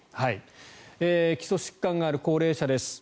基礎疾患がある高齢者です。